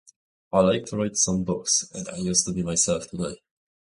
I like to read some books, and I used to be myself today.